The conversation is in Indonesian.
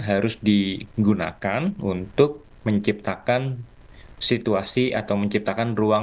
harus digunakan untuk menciptakan situasi atau keadaan